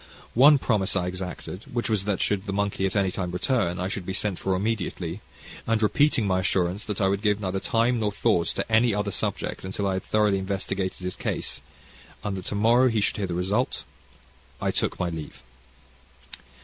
One promise I exacted, which was that should the monkey at any time return, I should be sent for immediately; and, repeating my assurance that I would give neither time nor thought to any other subject until I had thoroughly investigated his case, and that to morrow he should hear the result, I took my leave.